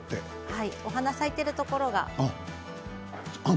お花が咲いているところが。